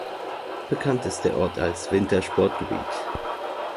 Bekannt ist der Ort als Wintersportgebiet.